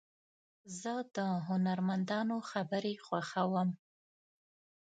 زه د هنرمندانو خبرې خوښوم.